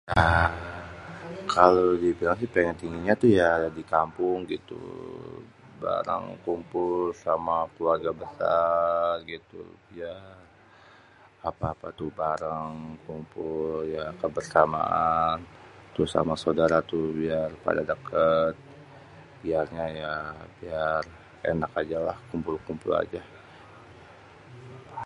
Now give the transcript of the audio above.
Kalo dibilang sih pengèn tinggalnya itu ya di kampung gitu. Barang kumpul sama keluarga besar gitu ya. Apa-apa tu bareng kumpul ya kebersamaan. Terus sama saudara tuh biar pada dêkêt, biarnya ya biar ènak ajalah kumpul-kumpul aja.